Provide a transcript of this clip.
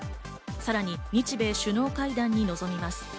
さらに日米首脳会談に臨みます。